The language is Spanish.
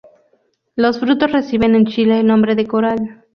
Los frutos reciben en Chile el nombre de coral.